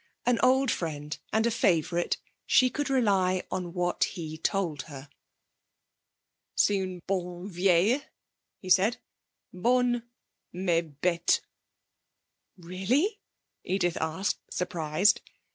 An old friend and a favourite, she could rely on what he told her. 'C'est une bonne vieille,' he said. 'Bonne, mais bête!' 'Really?' Edith asked, surprised.